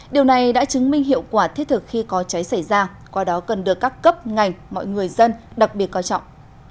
điều này đã chứng minh hiệu quả thiết thực khi có cháy xảy ra qua đó cần được các cấp ngành mọi người dân đặc biệt coi trọng